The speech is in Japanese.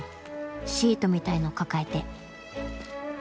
シートみたいの抱えて。